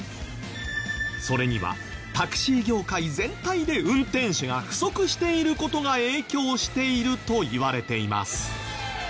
それにはタクシー業界全体で運転手が不足している事が影響しているといわれています。